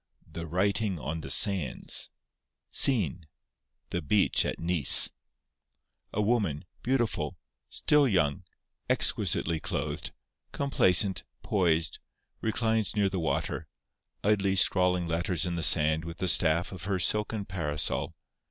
The Writing on the Sands SCENE—The Beach at Nice. A woman, beautiful, still young, exquisitely clothed, complacent, poised, reclines near the water, idly scrawling letters in the sand with the staff of her silken parasol.